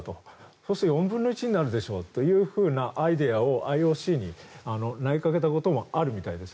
そうすると４分の１になるでしょうというアイデアをＩＯＣに投げかけたこともあるみたいです。